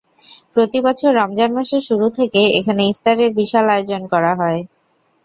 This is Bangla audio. প্রতিবছর রমজান মাসের শুরু থেকেই এখানে ইফতারের বিশাল আয়োজন করা হয়।